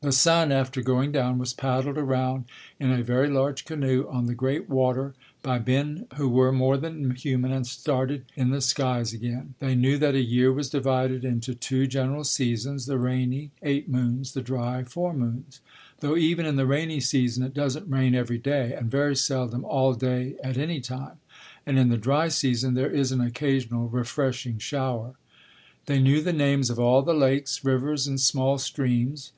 The sun after going down was paddled around in a very large canoe on the great water by men who were more than human and started in the skies again. They knew that a year was divided into two general seasons, the rainy (eight moons), the dry (four moons); though even in the rainy season it doesn't rain every day and very seldom all day at any time; and in the dry season there is an occasional refreshing shower. They knew the names of all the lakes, rivers and small streams.